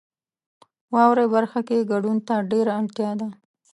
واورئ برخه کې ګډون ته ډیره اړتیا ده.